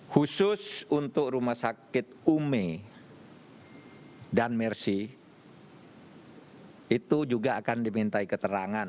khusus untuk rumah sakit ume dan mersi itu juga akan dimintai keterangan